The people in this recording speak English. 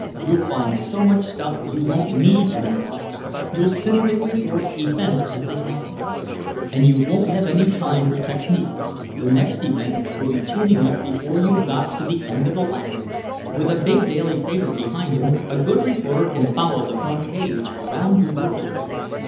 You'll find so much stuff you won't need any plots, you'll simply report events as they happen. And you won't have any time for technique, the next event will be tuning up before you've got to the end of the last. With a big daily paper behind him a good reporter can follow the front page around the world.